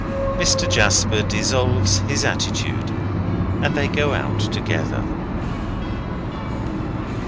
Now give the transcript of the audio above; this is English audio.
Mr. Jasper dissolves his attitude, and they go out together.